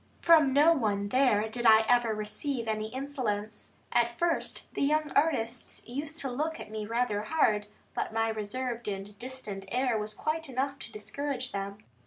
From no one there did I ever receive any insolence. At first, the young artists used to look at me rather hard, but my reserved and distant air was quite enough to discourage them.